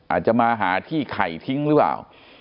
อาจจะมาหาที่ไข่ทิ้งหรือเปล่า